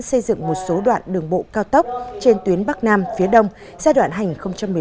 xây dựng một số đoạn đường bộ cao tốc trên tuyến bắc nam phía đông giai đoạn hành một mươi bảy hai mươi